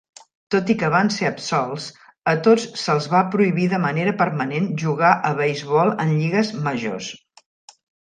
Tot i que van ser absolts, a tots se'ls va prohibir de manera permanent jugar a beisbol en lligues majors.